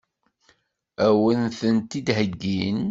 Ad wen-tent-id-heggin?